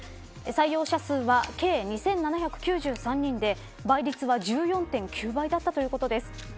採用者数は計２７９３人で倍率は１４．９倍だったということです。